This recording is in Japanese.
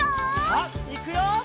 さあいくよ！